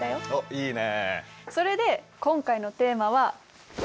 いいね！